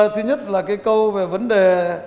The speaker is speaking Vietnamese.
thứ nhất là câu về vấn đề